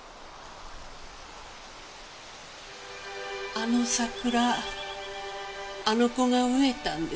あの桜あの子が植えたんです。